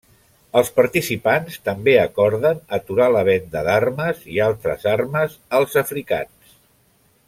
Els participants també acorden aturar la venda d'armes i altres armes als africans.